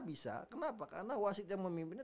bisa kenapa karena wasit yang memimpinnya